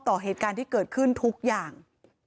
ต่อเหตุการณ์ที่เกิดขึ้นทุกอย่าง